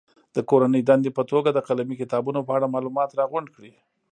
د کورنۍ دندې په توګه د قلمي کتابونو په اړه معلومات راغونډ کړي.